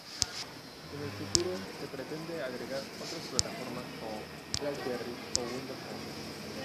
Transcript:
En el futuro se pretende agregar otras plataformas como Blackberry o Windows Phone.